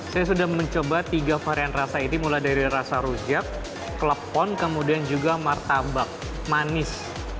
saya sudah mencoba tiga varian rasa ini mulai dari rasa rujak klepon kemudian juga martabak manis